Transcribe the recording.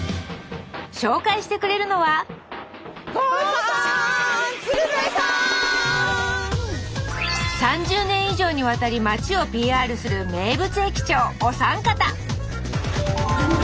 紹介してくれるのは３０年以上にわたり町をＰＲする名物駅長お三方